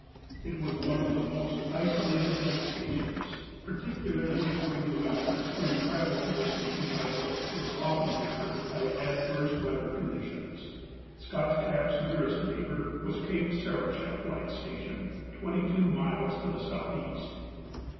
It was one of the most isolated light stations, particularly during the winter when travel to the station by boat was often hampered by adverse weather conditions. Scotch CapŌĆÖs nearest neighbor was Cape Sarichef Light Station, 22 miles to the southeast.